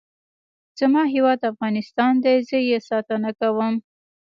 زما هیواد افغانستان دی. زه یې ساتنه کوم.